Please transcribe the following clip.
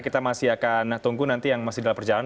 kita masih akan tunggu nanti yang masih dalam perjalanan